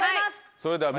それでは。